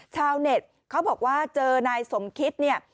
ชาวเน็ตเขาบอกว่าเจอนายสมคิตเนี่ย